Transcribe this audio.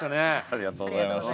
ありがとうございます。